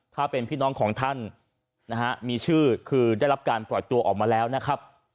ถ้าเป็นพี่น้องของท่านนะฮะมีชื่อคือได้รับการปล่อยตัวออกมาแล้วนะครับ